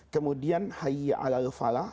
kemudian haya ala al falah